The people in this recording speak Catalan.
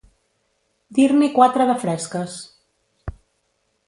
Dir-n'hi quatre de fresques.